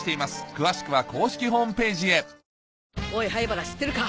詳しくは公式ホームページへおい灰原知ってるか？